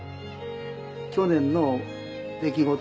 去年の出来事。